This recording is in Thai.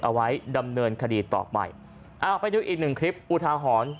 เอาไว้ดำเนินคดีต่อไปอ่าไปดูอีกหนึ่งคลิปอุทาหรณ์